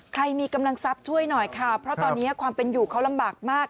ใครมีกำลังทรัพย์ช่วยหน่อยค่ะเพราะตอนนี้ความเป็นอยู่เขาลำบากมาก